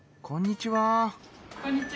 こんにちは。